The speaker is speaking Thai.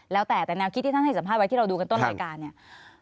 แล้วแต่ตนาคิดที่ทางให้สำคัญไว้ที่เราดูกันต้นรายการเนี่ย